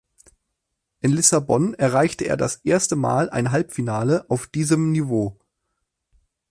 In Lissabon erreichte er das erste Mal ein Halbfinale auf diesem Niveau.